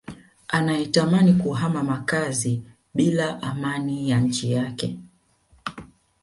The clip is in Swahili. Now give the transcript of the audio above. anayetamani kuhama makazi bila amani ya nchi yake